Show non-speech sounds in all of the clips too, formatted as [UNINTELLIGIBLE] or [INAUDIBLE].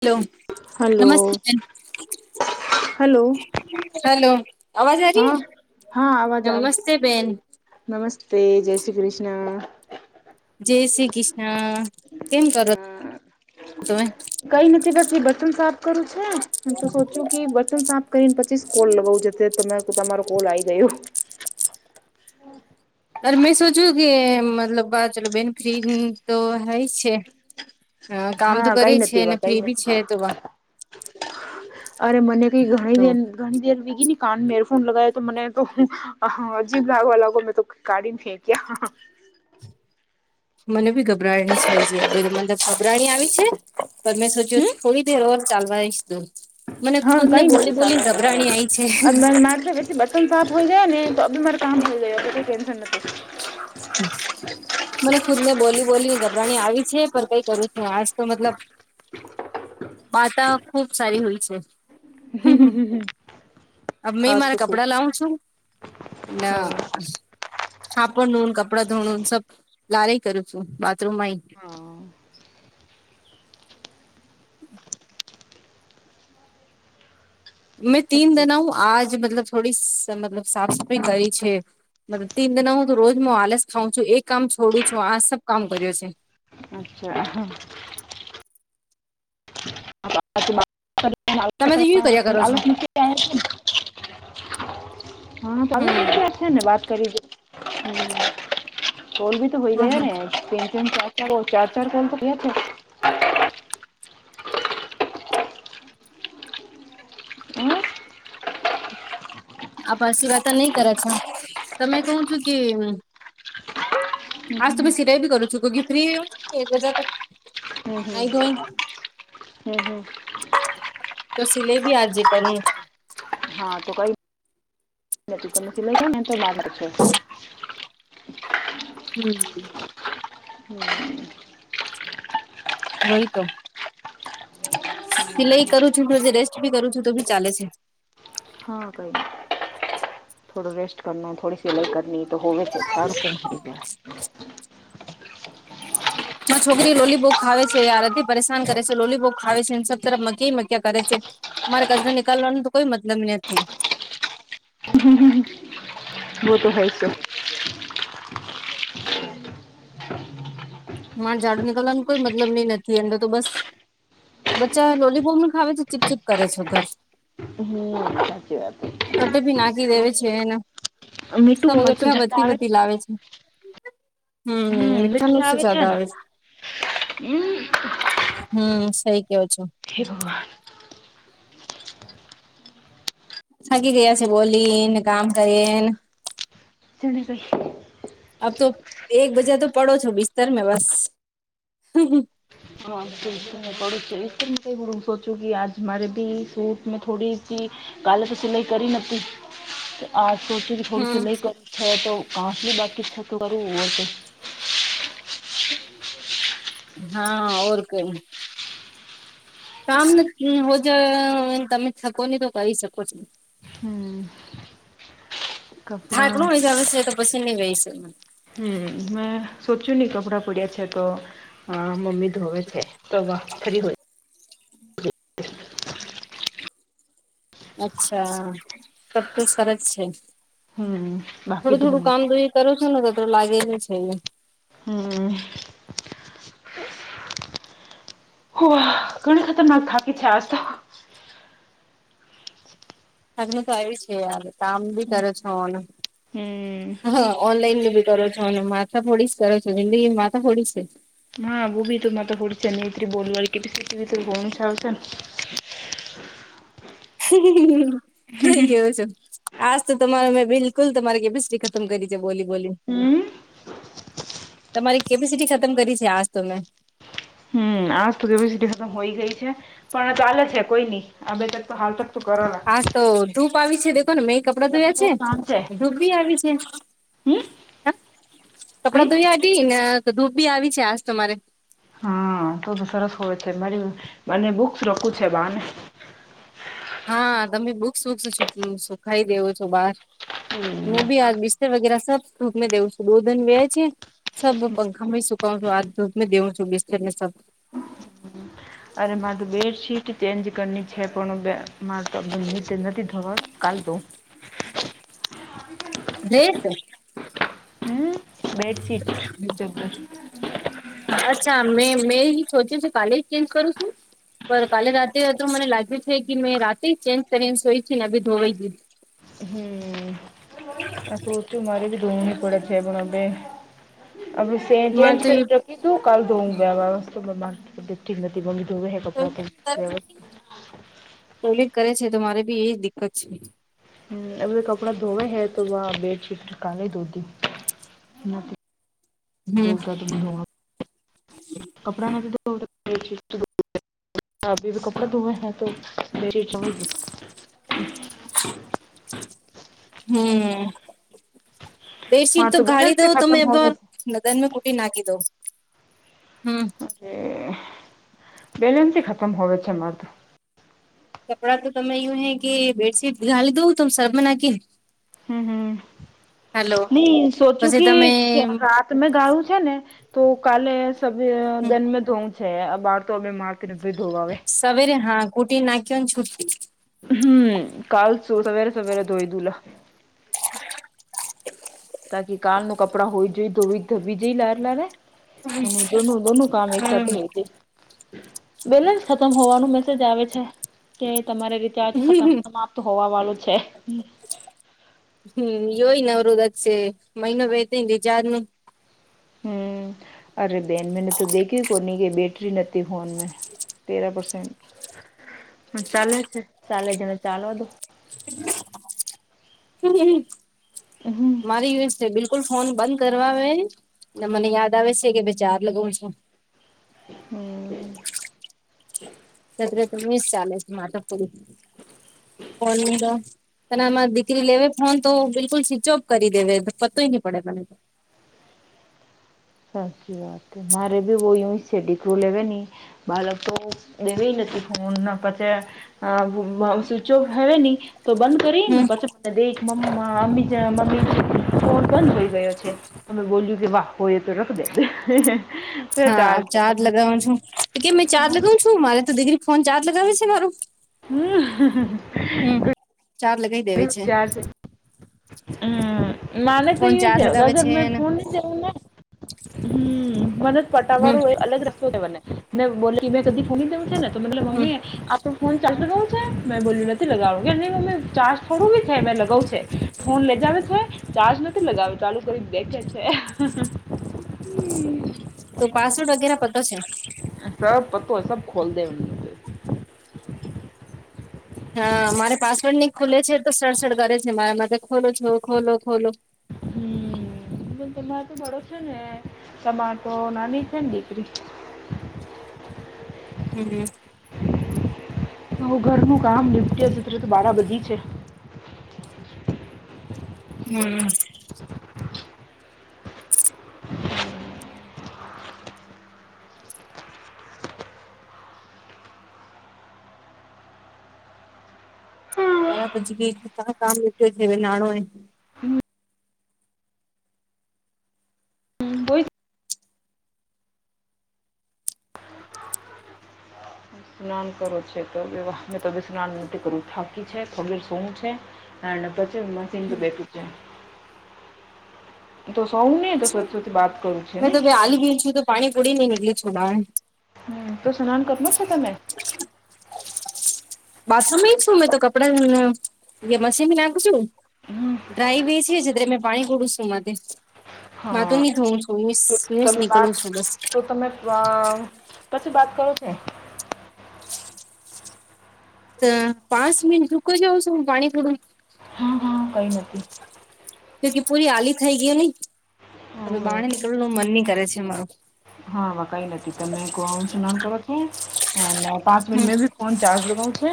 Hello નમસ્તે hello ma'am hello hello અવાજ હા આરીહે હા અવાજ આવે નમસ્તે બેન નમસ્તે જય શ્રી કૃષ્ણ જય શ્રી કૃષ્ણ કેમ કરો તમે કઈ નથી બસ એ બટન સાફ કરું છે તું સોચું કે બ તન સાફ કરીને પછીસ કોલ લું જ ત તમારો કોલ આવી જાય એવુ અરે મેં સોચ્યું કે મતલબ બા ચલો બેન ફ્રી તો હેય છે હ કામ તો હા કરે કઈ છે નથી ને એવા કઈ ફ્રી ભી છે નથી તો અરે મને કઈ ઘણી તો દેર ઘણી દેર વીગી ને કાન એરફોન લગાવો તો મને તો હા અજીબ લાગવા લાગો મેં તો કાઢીને ફેંક્યા મને બી ગબરાણી થાય છે મને ગબરાણી આવી છે પર મેં સોચ્યો હમ થોડી દર ઓર ચાલવાઈદ હા કઈ નથી ચાલવા ચાલવા આઈ છે દો [UNINTELLIGIBLE] ન સાફ હોઈ જાય ને તો અી મારે કામ મઈ જાય એ તો કોઈ ટટેન્શન નથી મને ખુદ ને બોલી બોલીને ગરવાની આવી છે પણ કઈ કરું છે આજ તો મતલબ વાતા ખુબ સારી હોય છે મે આજ મારા તો ખૂબ કપડા લાવું છું ના હાપડ કપડાં ધોણું સબ લારે કરું છું બાથરૂમ માં હા મેં તીન દના હું આજ મતલબ થોડી મતલબ સાફ સફાઈ કરી છે મત તીન દના હું તો રોજ આલસ ખઉં છું એક કામ છોડું છું આ સબ કામ કર્યો છે અચ્છા તમે તો કર્યા કરો છો [UNINTELLIGIBLE] [UNINTELLIGIBLE] હમ તો હોય ગયા ને ત ત ચાર હ ચાર ચાર ચાર સલ તો ગયા હમ આપ સીવાતા નહી કરે છો તમે કો છો કે હજ તમે સિલાઈ બી કરો છો કે ફ્રી એ છો ને એકહજાર ક હમ હમ હમ હમ તો સિલાઈ ભી આજે કરું હા તો કઈ તો મકી લઈ જ ને તોર છે હમ. હમ. વઈ તો સિલાઈ કરું છું જો જે રેસ્ટ ભી કરું છું તો બી ચાલે છે. હા ભાઈ થોડો રેસ્ટ કરના થોડી સલાઈ કરની તો હ ચારું ક ગર [INAUDIBLE] છોકરી લોલી ભો ખાવે છે આર થી પરેશાન કરે છે લોલીભોગ ખાવે છે સ તરફ મકી મક્યા કરે છે. મારે કચરા નીકાલવાનું તો કોઈ મતલબ નથી. હમ હમ. વોત તો હય છે. મારે જાડું નીકળવાનું કોઈ મતલબ નઈ નથી એમને તો બસ બચ્ચા લોલીપોપ ન ખાવે છે ચીપચીપ કરે છો ઘર. હમ સાચી વાત હે. કટે ભી નાખી દે છે, એને મીઠું હોવે તો મખિયા જતા વધતી આવે વધતી લાવે છે. હમ. વ્યખાયા આવે. જાદ આવે છે હમ હમ સઈ કેયો છો. હે ભગવાન. થાકી ગયા છે બોલીને કામ કરીએ. તેણેગઈ આપ તો એક બજા તો પડો છો બિસ્તરમે બસ. હા, વિચારું છું, આજે મારે પણ સેટમાં થોડી... તી કાલે તો સિલાઈ કરી નતી. [UNINTELLIGIBLE] આ સોચું કે થોડી હમ સીલાઈ કર તો બાકી ઇચ્છા તો કરું હોય છે. હા ઓર કઈ. કામ ને હો જાય તમે થકો ની તો કરી શકો છો. હમ. થાક કપડા નો હોય જાવે છે તો પછી નહી હોઈ સક. હમ મેં સોચ્યું ની કપડાં પડ્યા છે તો અ મમ્મી ધોવે છે. તવા ફરી હોય. અચ્છા તબ તો સરસ છે હમ બાકી થોડું થોડું ધૂમણા કામ દોઈ. કરું છું ને તો તો લાગેલું છે. હમ. ઘણી ખતરનાક થાકી છે આજ તો. થાકનુ તો આવી છે યાર કામબી કરો છો ને. હમ હા ઓનલાઈન મે બી કરો છો અને માથા ફોડીશ કરો છો હિન્દી માથા ફોડી છે. હા, હા, હું પણ થોડી બોલવાળ કે ગાય આવશે ને. સઈ કેવો છો! આજ તો તમારે મેં બિલકુલ તમારી કેપિસ્ટ્રી ખતમ કરી છે બોલી બોલી હમ તમારી કેપિસિટી ખતમ કરી છે આજ તો મેં. હમ આજ તો કેપેસિટી ખતમ હોઈ ગઈ છે પણ ચાલે છે કોઈ નઈ આ બે તક તો હાલ તક તો કરોલા આજ તો ધૂપ આવી છે દેખો ને મેં. કપડા તમને ધોયા છે બહુ શાંત છે ઘુપ ભી આવી છે. હમ હ કઈ કપડાં ધોયાઢી ને ધૂપ બી આવી છે આજ તો મારે. હા તો તો સરસ હોય છે મારી મને બુક્સ રખું છે બાને હા તમે બુક્સ વુસ સુ સુખાઈ રયો છો બહાર હું બી આજ બી તે વગેરા સખ થુપ દેવું છું દો દિન બેયાય છે. સબ પંખા માં સુકાવું છું આ ઘુપ દેઉું છું બિસ્ત ને સબ. હમ [UNINTELLIGIBLE] અરે મારે તો બેડશીટ ચેન્જ કરની છે પણ બ મારે તો નિચે નથી થવા. કાલ તો. ખરેખર [INAUDIBLE] હમ. બેડશીટ હ હમ [UNINTELLIGIBLE] અચ્છા મેં મેં સોચ્યું છે કાલેજ ચેન્જ કરું શું. પણ કાલે રાતે તો મને લાગ્યું છે કે મેં રાતે ચેન્જ કરીને સોઈ છે ને બી ધોવાઈ દીધી [INAUDIBLE] હમ. હા, મારે પણ દોડવું પડે છે, પણ આપણે મારે ચેન્જ તો એ કરી કિધું કાલ ધોઉું બેસ માર્ટ ઠી નથી ગમતું હે કપડા ટોયલેટ તો કોલી કરે છે તો મારે બી એઈ દિકકત છે. હમ અમને કપડા ધોવે હૈ તોહ બેડશીટ ન કાલે ધોતી. દો હમ કદમી હોવા કપડા નથી તો [UNINTELLIGIBLE] કે કપડે ધોવાય છે તો શું? [INAUDIBLE] હમ બે સીટ માર તો ગાડી બેલેન્સ બી દવુ તમે ખતમ પર હોવે નદન મે કુટી નાખીદો હમ. અરે બેલનસેય ખતમ હોવે છે મારેતો કપડાં તો તમે એવું હે કે બેડશીટ ઘાલી [INAUDIBLE] હમ હમ. નઈ સોચું પછી કે તમે રાત મેં ગાળું છે ને તો કાલે સવેરે ધોવુ છે આ બાર તો અમે મારતી નથી ધોવા આવે. સવેરે હા કુટી નાખવન છુટટી હમ કાલસું સવેરે સવેરે ધોઈ દુંલા. તાકી કાલનું કપડા હોયઈ જોઈ ધોવી ધબી વાર લે અને દોનું દોનું કામ એક હમ સાથે હોય છે બેલેન્સ ખતમ હોવાનું મેસેજ આવે છે કે તમારે રિચાર્જ ખતમ સપ્ત હોવા વાળું છે. હમ એયોયનવરદચસેે મૈનો બે રજાર ન [INAUDIBLE] હમ અરે બેન મેને તો દેખી કોની કે બેટરી નથીતી ફોન મે તેરા પસેન્ટ ચાલે છે ચાલે છેને ચાલો તો હમ. હ હ. મારી છે બિલકુલ ફોન બંધ કરવા આવે અને મને યાદ આવે છે કે ભાઈ ચાર લગાવ છું. હમ. તત્ર તો મિસ ચાલે છે માટ કો ત આમાં દીકરી લેવી [UNINTELLIGIBLE] હુતો બિલકુલ સ્વીચ ઓપ કરી દેવે પતોય નહી પડે મને તોય સાચી વાત મારે બી વ યું સેડીક લેવે નહી [INAUDIBLE] બાળક તો દેવી નથી ફોન પછી હ સ્વીચ ઓફ હેવે નની તો બંધ કરીને હમ પાછ. દેખ મમ્મી મમ્મી ફોન બંધ હોઈ ગયો છે. અમે બોલ્યું કે વાહ હો એ તો રખ દે. હા ચાર્જ લગાવવાનો છું તો કેમ મેં ચાર્જ લગાવું છું મારે તો દીકરી ફોન ચાર્જ લગાવે છે મારું હમ. ચાર લગાઈ વિચાર હમ મને તો ફોન ચાર્જ લગાવે છેાદર છે મેં ને ફોન [INAUDIBLE] વું ને હમ મને જ હમ પટાવાું હોય અલગ રસ્તો છેવા ને [INAUDIBLE] મેં બોલા કે મેં કદી ફોમ દઉં ને તો હમ મતલબમમ્મિ આપ [UNINTELLIGIBLE] ફોન ચાર્જ લગાવું છે મેં બોલ્યું નથીલગાવું કે ન અ ચાર્જ થોડું બી છે મેં લગાવુ છે. ફોન લેજાવે છે ચાર્જ નથી લગાવે ચાલુ કરી દેખે છે. હમ. તો પાસવર્ડ વગેરે પતો છેને સબ પતો સબ ખોલ દને હા, મારે પાસવર્ડ નહી ખુલે છે તો સળસડ કરે છે મારા ખોલો છો, ખોલો ખોલો હમ તમાર તો બળો છે ને તમાર તો નાની છે ન દીકરી હમ તો ઘરનું કામ નિપટ્યા જ તો બારા બજી છે હમ બારા બજી કે પછી કે કામ આવે જે છે નાણો એ [UNINTELLIGIBLE] સ્નાન કરો છે તો વિવાહમાં તો વિસ્નાન મૂર્તી કરું થાકી છે, થોડડી સૂવું છે હા, અને પછી મશીન પર બેસી જાય [UNINTELLIGIBLE] તો સૌ ને તો સુ [UNINTELLIGIBLE] વાત કરું છે ને ખાલી [UNINTELLIGIBLE] પાણીપુડીની [UNINTELLIGIBLE] હમ, તો સ્નાન કરેલો છે તમે બાથરૂમ શું મેં તો કપડા હ મશીન નાખ છુ હમ ડ્રાય બેસી છે મેમે પાણી કોડું છું એમાંથી હા માતુંની ધોવ છું મીસ તો ભીંસ તમે વાત નીકળું છું બસ તો તમે અ, પછી વાત કરો છે તો પાચ મિનિટ દુક જવું સ પાણી ફોડું હા, હા, કઈ નથી જો પુરી આલી થઈ ગઈને હ હમ બાણે હમ નીકળવું મન ની કરે છે મારું હા, હ, કઈ નથી તમે કોઈ સ્નાન કરો છો પાંચ મિ હમ મે કોણ ચાર્જ લગાવ છે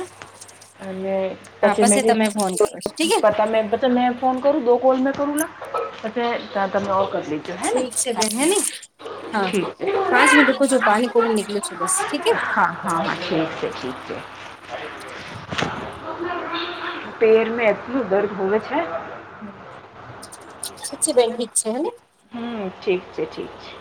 અને હા પછ મે પછી તમે ફોન કરો ઠીક હે પતા મે મે ફોન કરું દો કોલ મેં કરું લા અચ્છા ત્યાં તમે ઓ કરો ઠી છે બે હે ની હા, પાંચ મિ રૂકો જો પાણી કોડી નિકલે છું બસ ઠીકે હા હા, હ, ઠીક છે ઠીક છે પપૈર એટલું દદૅ હોય છે હમ શ છેી બેક જ છે હ હમ, ઠી છે, ઠીક છે